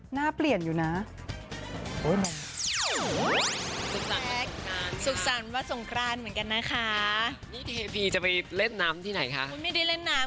หน้าเปลี่ยนอยู่นะ